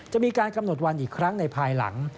จะมีการกำหนดวันอีกครั้งในภายหลัง